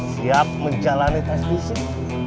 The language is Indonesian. siap menjalani tes fisik